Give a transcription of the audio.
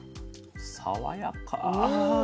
爽やか。